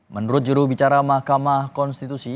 menurut jurubicara mahkamah konstitusi